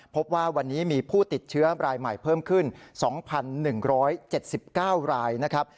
พบว่าวันนี้มีผู้ติดเชื้อรายใหม่เพิ่มขึ้น๒๑๗๙รายนะครับ